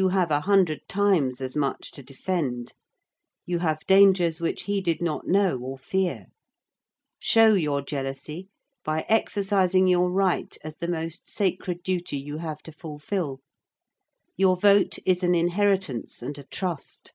You have a hundred times as much to defend: you have dangers which he did not know or fear. Show your jealousy by exercising your right as the most sacred duty you have to fulfil. Your vote is an inheritance and a trust.